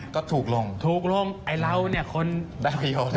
ก็ถูกลงถูกลงไอ้เราเนี่ยคนได้ประโยชน์